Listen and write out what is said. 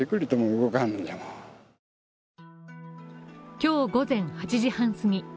今日午前８時半すぎ